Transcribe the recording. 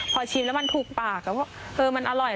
พอชิมแล้วมันถูกปากเพราะว่ามันอร่อย